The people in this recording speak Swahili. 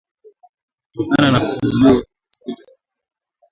kutokana na kufufuliwa kwa sekta ya huduma